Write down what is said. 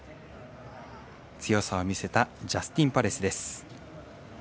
強さを見せたジャスティンパレスです。